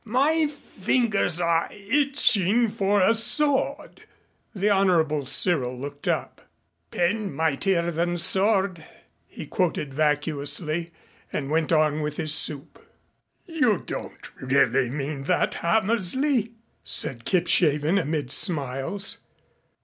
My fingers are itching for a sword." The Honorable Cyril looked up. "Pen mightier than sword," he quoted vacuously, and went on with his soup. "You don't really mean that, Hammersley," said Kipshaven amid smiles.